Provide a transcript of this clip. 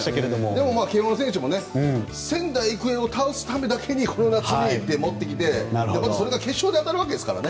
でも慶応の選手たちも仙台育英を倒すためだけにこの夏、やってきてそれが決勝で当たるわけですからね。